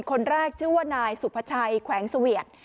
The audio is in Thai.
คนแรกชื่อว่านายสุภาชัยแขวงเสวียด